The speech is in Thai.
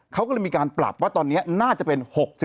เขาก็เลยมีการปรับว่าตอนนี้น่าจะเป็น๖๔